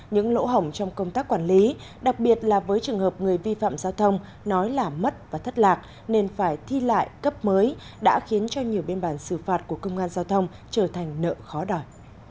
những lỗ hỏng trong công tác quản lý đặc biệt là với trường hợp người vi phạm giao thông nói là mất và thất lạc nên phải thi lại cấp mới đã khiến cho nhiều biên bản xử phạt của công an giao thông trở thành nợ khó đòi